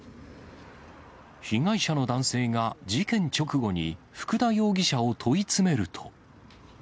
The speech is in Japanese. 被害者の男性が、事件直後に福田容疑者を問い詰めると。